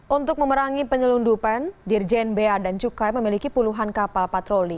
untuk memerangi penyelundupan dirjen bea dan cukai memiliki puluhan kapal patroli